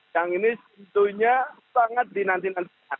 yang ini tentunya sangat dinantikan